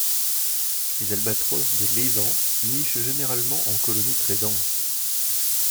Les albatros de Laysan nichent généralement en colonie très denses.